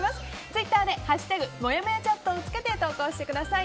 ツイッターで「＃もやもやチャット」をつけて投稿してください。